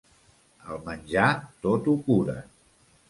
El menjar tot ho cura.